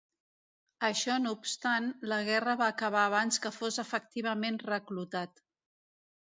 Això no obstant, la guerra va acabar abans que fos efectivament reclutat.